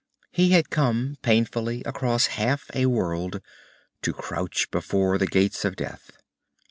He had come painfully across half a world, to crouch before the Gates of Death.